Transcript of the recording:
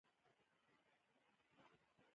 ایا د زړه ګراف مو اخیستی دی؟